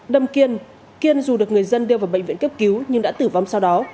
đâm kiên dù được người dân đưa vào bệnh viện cấp cứu nhưng đã tử vong sau đó